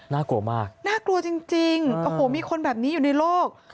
น่ากลัวมากน่ากลัวจริงโอ้โหมีคนแบบนี้อยู่ในโลก